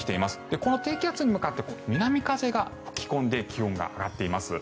この低気圧に向かって南風が吹き込んで気温が上がっています。